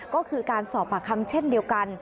ก็คือการสอบปากคำเช่นเดียวกัน